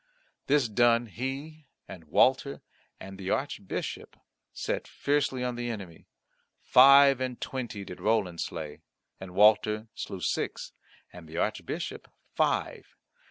This done he and Walter and the Archbishop set fiercely on the enemy. Five and twenty did Roland slay, and Walter slew six, and the Archbishop five.